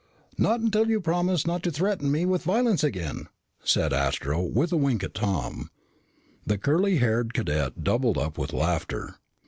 "Not until you promise not to threaten me with violence again," said Astro with a wink at Tom. The young curly haired cadet doubled up with laughter.